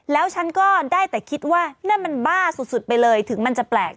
แล้วฉันก็ได้แต่คิดว่านั่นมันบ้าสุดไปเลยถึงมันจะแปลก